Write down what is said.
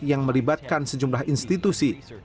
yang melibatkan sejumlah institusi